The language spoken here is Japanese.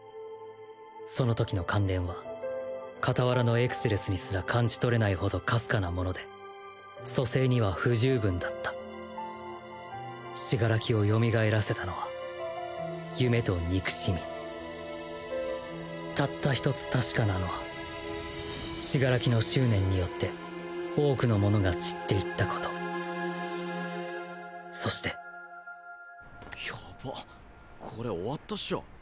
その時の感電は傍らのエクスレスにすら感じ取れない程かすかなもので蘇生には不十分だった死柄木を蘇らせたのは夢と憎しみたった１つ確かなのは死柄木の執念によって多くの者が散っていったことそしてやばこれ終わったっしょ。